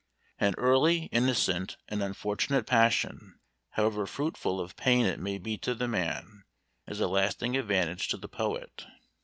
An early, innocent, and unfortunate passion, however fruitful of pain it may be to the man, is a lasting advantage to the poet.